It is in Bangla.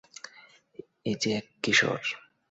এ যে এক কিশোর!